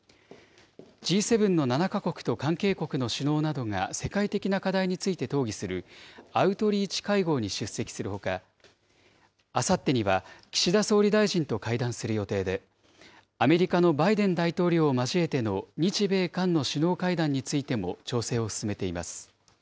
Ｇ７の７か国と関係国の首脳などが世界的な課題について討議する、アウトリーチ会合に出席するほか、あさってには岸田総理大臣と会談する予定で、アメリカのバイデン大統領を交えての日米韓の首脳会談についても調整を進めています。